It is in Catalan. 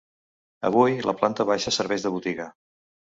Avui la planta baixa serveix de botiga.